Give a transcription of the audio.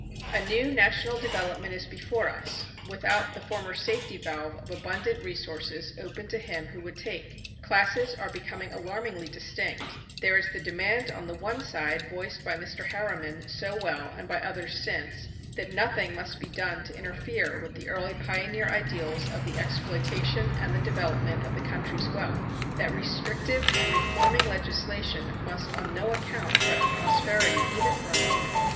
[280:1] A new national development is before us without the former safety valve of abundant resources open to him who would take. Classes are becoming alarmingly distinct: There is the demand on the one side voiced by Mr. Harriman so well and by others since, that nothing must be done to interfere with the early pioneer ideals of the exploitation and the development of the country's wealth; that restrictive and reforming legislation must on no account threaten prosperity even for a moment.